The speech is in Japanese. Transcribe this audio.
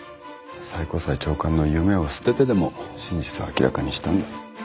最高裁長官の夢を捨ててでも真実を明らかにしたんだ。